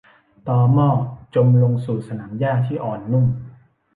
ตอม่อจมลงสู่สนามหญ้าที่อ่อนนุ่ม